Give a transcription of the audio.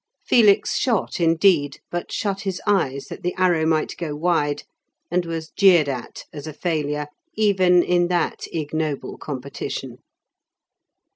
Felix shot, indeed, but shut his eyes that the arrow might go wide, and was jeered at as a failure even in that ignoble competition.